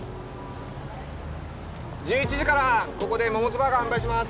１１時からここでモモズバーガー販売します